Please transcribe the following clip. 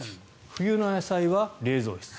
冬の野菜は冷蔵室。